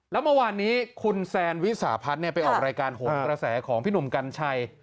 แล้วเมื่อวานนี้คุณแซนวิสาพัฒน์ไปออกรายการโหนกระแสของพี่หนุ่มกัญชัย